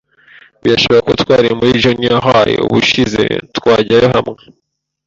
Birashoboka ko twari muri junior high ubushize twajyayo hamwe.